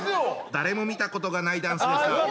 誰も見たことがないダンスでした。